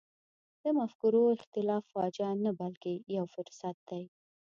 د مفکورو اختلاف فاجعه نه بلکې یو فرصت دی.